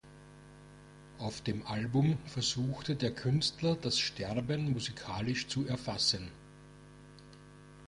Auf dem Album versuchte der Künstler das Sterben musikalisch zu erfassen.